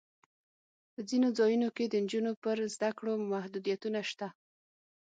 په ځینو ځایونو کې د نجونو پر زده کړو محدودیتونه شته.